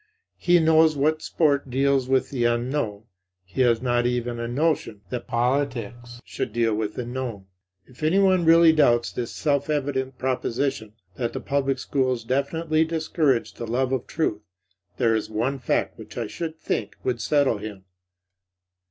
He knows that sport deals with the unknown; he has not even a notion that politics should deal with the known. If anyone really doubts this self evident proposition, that the public schools definitely discourage the love of truth, there is one fact which I should think would settle him.